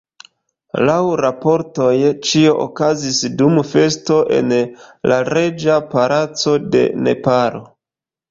Laŭ raportoj, ĉio okazis dum festo en la reĝa palaco de Nepalo.